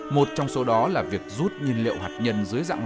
một trong số đó là việc rút nhiên liệu hạt nhân dưới dạng mặt nước